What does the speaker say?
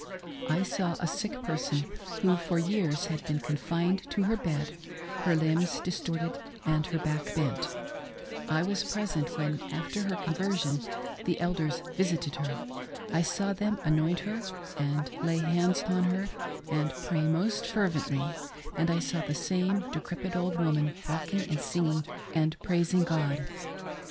I saw a sick person who for years had been confined to her bed, her limbs distorted and her back bent ; I was present when, after her conversion, the elders visited her ; I saw them anoint her, and lay hands on her, and pray most fervently ; and I saw the same decrepit old woman walking and singing and praising God.